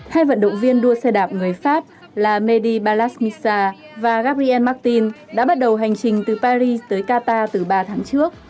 hai vận động viên đua xe đạp người pháp là medi balasmisa và gabriel martin đã bắt đầu hành trình từ paris tới qatar từ ba tháng trước